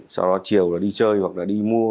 sau đó chiều thì đi chơi hoặc đi mua